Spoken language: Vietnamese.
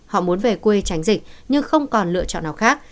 họ muốn về quê tránh dịch nhưng không còn lựa chọn nào khác